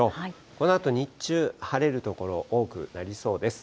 このあと日中、晴れる所、多くなりそうです。